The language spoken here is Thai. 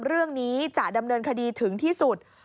เรื่องนี้จะดำเนินคดีถึงที่สุด